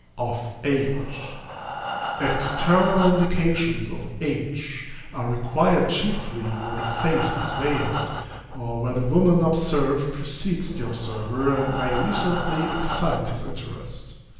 OF AGE. External indications of age are required chiefly where the face is veiled, or where the woman observed precedes the observer and may reasonably excite his interest.